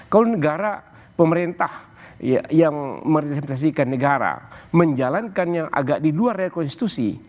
kalau negara pemerintah yang meresimtasikan negara menjalankannya agak di luar rel konstitusi